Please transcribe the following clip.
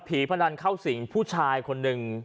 พนันเข้าสิงผู้ชายคนหนึ่ง